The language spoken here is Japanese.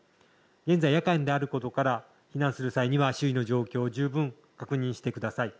現在、夜間であることから避難する際には周囲の状況をよく確認してください。